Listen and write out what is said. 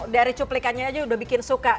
dari cuplikannya aja udah bikin suka